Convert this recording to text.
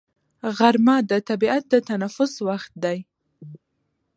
غرمه د طبیعت د تنفس وخت دی